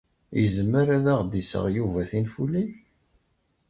Yezmer ad aɣ-d-iseɣ Yuba tinfulin?